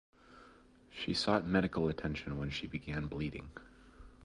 She sought medical attention when she began bleeding.